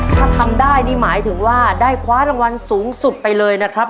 ถ้าทำได้นี่หมายถึงว่าได้คว้ารางวัลสูงสุดไปเลยนะครับ